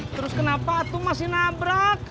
terus kenapa itu masih nabrak